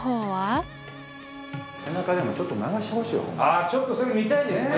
あちょっとそれ見たいですね。